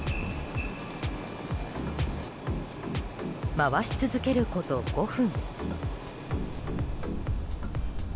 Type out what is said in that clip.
回し続けること５分。